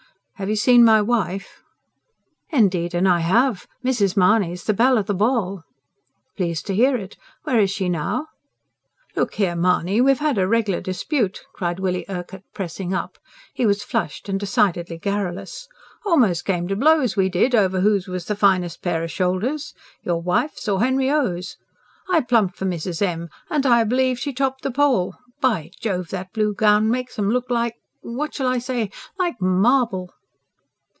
"Have you seen my wife?" "Indeed and I have. Mrs. Mahony's the belle o' the ball." "Pleased to hear it. Where is she now?" "Look here, Mahony, we've had a reg'lar dispute," cried Willie Urquhart pressing up; he was flushed and decidedly garrulous. "Almost came to blows we did, over whose was the finest pair o' shoulders your wife's or Henry O.'s. I plumped for Mrs. M., and I b'lieve she topped the poll. By Jove! that blue gown makes 'em look just like ... what shall I say? ... like marble."